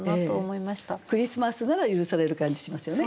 クリスマスなら許される感じしますよね。